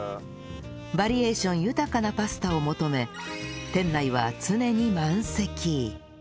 バリエーション豊かなパスタを求め店内は常に満席